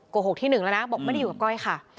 โกหกที่หนึ่งแล้วนะบอกไม่ได้อยู่กับก้อยค่ะ